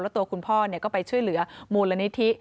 ตัวคุณพ่อก็ไปช่วยเหลือมูลนิธิ